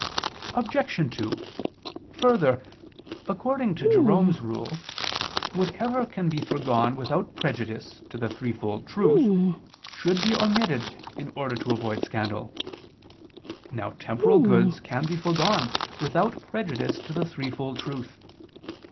Obj. 2: Further, according to Jerome's rule [*Cf. A. 7, Obj. 4], whatever can be foregone without prejudice to the threefold truth, should be omitted in order to avoid scandal. Now temporal goods can be foregone without prejudice to the threefold truth.